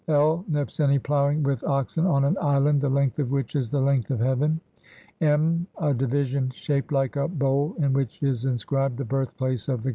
(I) Nebseni ploughing with oxen on an island "the length of which is the length of heaven", (in) A division shaped like a bowl in which is inscribed : "The birth place of the